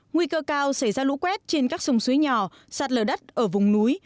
nguy cơ cao xảy ra lũ quét trên các sông suối nhỏ sạt lở đất ở vùng núi